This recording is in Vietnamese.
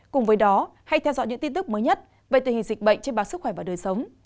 cùng với đó hãy theo dõi những tin tức mới nhất về tình hình dịch bệnh trên báo sức khỏe và đời sống